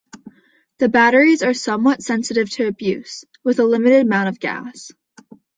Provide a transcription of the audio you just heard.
The batteries are somewhat sensitive to abuse, with a limited amount of gas.